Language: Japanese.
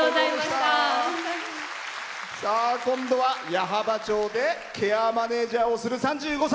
今度は、矢巾町でケアマネージャーをする３５歳。